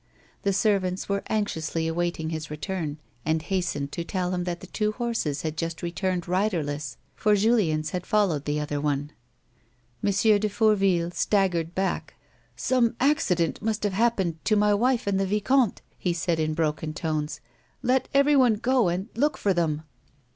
The servants were anxiously awaiting his return, and hastened to tell him that the two horses had just returned riderless, for Julien's had followed the other one. M. de Fourville staggered back. "Some accident must have hajjpened to my wife and the vicomte," he said in broken tones. " Let everyone go and look for them."